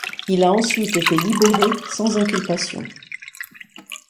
Il a ensuite été libéré sans inculpation.